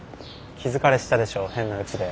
気疲れしたでしょう変なうちで。